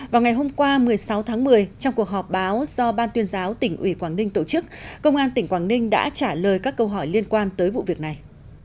vào ngày hôm qua một mươi sáu tháng một mươi trong cuộc họp báo do ban tuyên giáo tỉnh ủy quảng ninh tổ chức công an tỉnh quảng ninh đã trả lời các câu hỏi liên quan tới vụ việc này